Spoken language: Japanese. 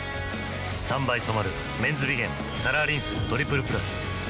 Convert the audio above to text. ３倍染まる「メンズビゲンカラーリンストリプルプラス」